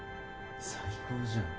最高じゃん。